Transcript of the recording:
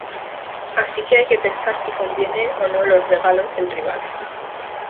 Así que hay que pensar si conviene o no los "regalos" del rival.